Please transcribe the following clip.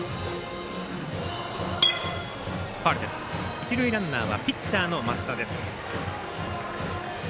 一塁ランナーはピッチャーの升田です。